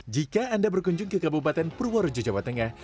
jika anda berkunjung ke kabupaten purworejo jawa tengah